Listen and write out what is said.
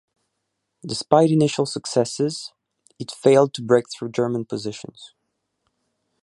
Despite initial successes, it failed to break through German positions.